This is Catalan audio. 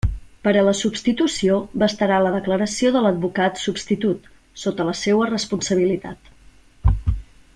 Per a la substitució bastarà la declaració de l'advocat substitut, sota la seua responsabilitat.